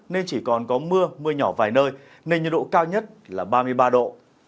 nên chỉ còn có mưa mưa nhỏ vài nơi nền nhiệt độ cao nhất là ba mươi ba độ